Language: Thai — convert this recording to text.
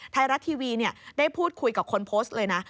ไทยรัฐทีวีได้พูดคุยกับคนโพสต์เลยนะ